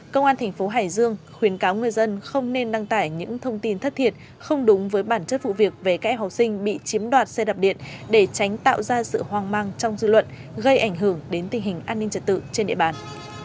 công an thành phố hải dương khuyến cáo người dân không nên đăng tải những thông tin thất thiệt không đúng với bản chất vụ việc về các em học sinh bị chiếm đoạt xe đạp điện để tránh tạo ra sự hoang mang trong dư luận gây ảnh hưởng đến tình hình an ninh trật tự trên địa bàn